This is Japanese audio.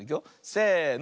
せの。